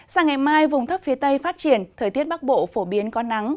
sáng ngày mai vùng thấp phía tây phát triển thời tiết bắc bộ phổ biến có nắng